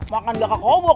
makan gak kekobok